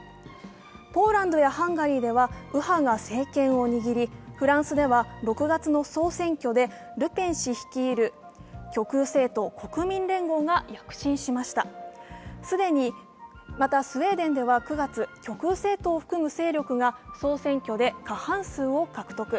ポーランドやハンガリーでは、右派が政権を握り、フランスで、６月の総選挙でルペン氏率いる極右政党・国民連合が躍進しましたまた、スウェーデンでは９月、極右政党を含む勢力が総選挙で過半数を獲得。